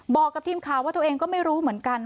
บอกกับทีมข่าวว่าตัวเองก็ไม่รู้เหมือนกัน